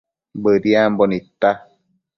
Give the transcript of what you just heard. Bëdiambo nidta